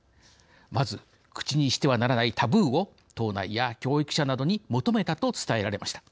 まず、口にしてはならないタブーを党内や教育者などに求めたと伝えられました。